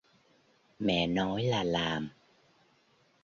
mẹ nói là làm